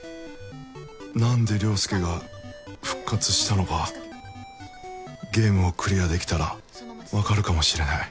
何で良介が復活したのかゲームをクリアできたら分かるかもしれない